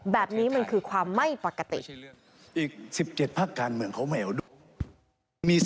แบบนี้มันคือความไม่ปกติ